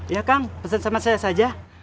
iya kang pesel sama saya saja